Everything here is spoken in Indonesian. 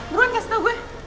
buruan kasih tau gue